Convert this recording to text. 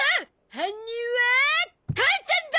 犯人は母ちゃんだ！